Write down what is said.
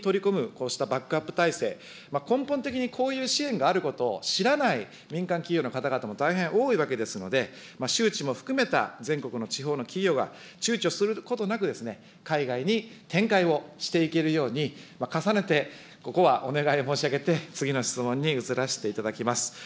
こうしたバックアップ体制、根本的にこういう支援があることを知らない民間企業の方々も大変多いわけですので、周知も含めた全国の地方の企業がちゅうちょすることなくですね、海外に展開をしていけるように、重ねて、ここはお願いを申し上げて、次の質問に移らせていただきます。